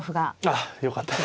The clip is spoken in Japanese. ああよかったです。